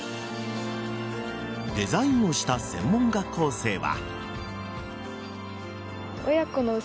デザインをした専門学校生は。